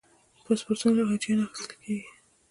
پاسپورتونه له حاجیانو اخیستل کېږي.